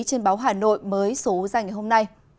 trên báo hà nội mới số ra